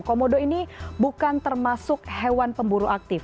komodo ini bukan termasuk hewan pemburu aktif